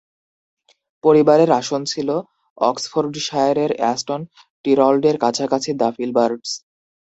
পরিবারের আসন ছিল অক্সফোর্ডশায়ারের অ্যাস্টন টিরল্ডের কাছাকাছি দ্য ফিলবার্টস।